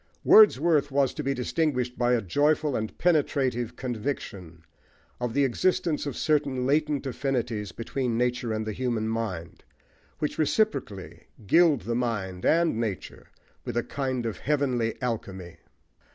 Wordsworth was to be distinguished by a joyful and penetrative conviction of the existence of certain latent affinities between nature and the human mind, which reciprocally gild the mind and nature with a kind of "heavenly alchemy."